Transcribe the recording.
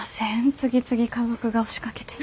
次々家族が押しかけて。